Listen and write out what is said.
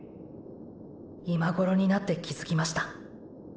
今頃になって気づきました。